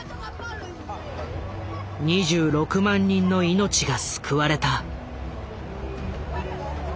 ２６万人の命が救われた。